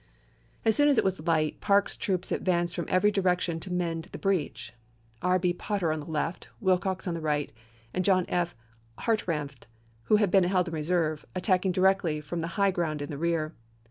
As soon as it was light, Parke's troops advanced from every direction to mend the breach; R. B. Potter on the left, Willcox on the right, and John F. Hartranft, who had been held in reserve, attacking directly from the high ground in the rear.